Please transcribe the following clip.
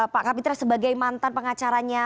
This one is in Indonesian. pak kapitra sebagai mantan pengacaranya